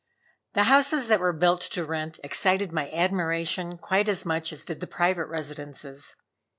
The houses that were built to rent excited my admiration quite as much as did the private residences.